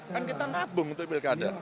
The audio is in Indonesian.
kan kita ngabung untuk mobil kada